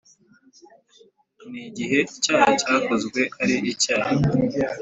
n igihe icyaha cyakozwe ari icyaha